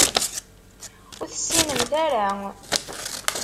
Ur tessinemt ara.